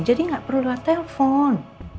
jadi nggak perlu lah telfon